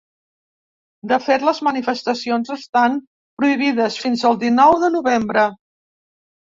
De fet, les manifestacions estan prohibides fins el dinou de novembre.